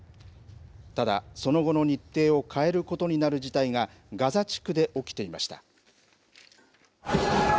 ただ、その後の日程を変えることになる事態が、ガザ地区で起きていました。